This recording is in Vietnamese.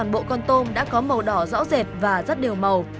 bộ con tôm đã có màu đỏ rõ rệt và rất đều màu